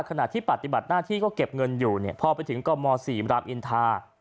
ขณะที่ปฏิบัติหน้าที่ก็เก็บเงินอยู่เนี่ยพอไปถึงกม๔รามอินทา